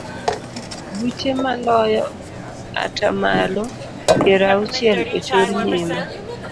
Buche maloyo ata malo piero auchiel ochor nyime.